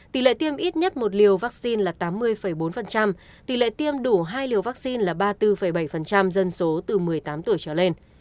tỷ lệ tiêm ít nhất một liều vắc xin là tám mươi bốn tỷ lệ tiêm đủ hai liều vắc xin là ba mươi bốn bảy dân số từ một mươi tám tuổi trở lên